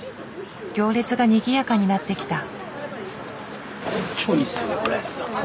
行列がにぎやかになってきた。